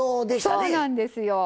そうなんですよ。